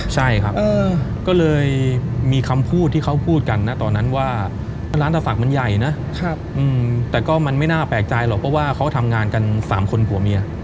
ใช่ครับก็เลยมีคำพูดที่เขาพูดกันนะตอนนั้นว่าร้านตะฝักมันใหญ่นะแต่ก็มันไม่น่าแปลกใจหรอกเพราะว่าเขาทำงานกัน๓คนผัวเมีย